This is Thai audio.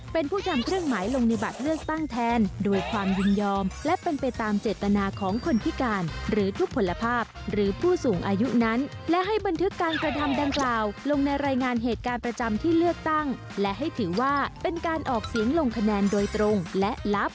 เป็นการออกเสียงลงคะแนนโดยตรงและลับ